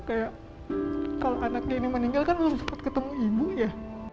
kayak kalau anaknya ini meninggal kan belum sempat ketemu ibu ya